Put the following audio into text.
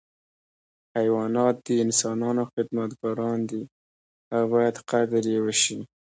حیوانات د انسانانو خدمتګاران دي او باید قدر یې وشي.